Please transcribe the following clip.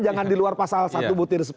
jangan di luar pasal satu butir sepuluh